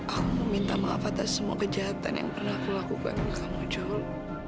aku mau minta maaf atas semua kejahatan yang pernah kulakukan di kamu jul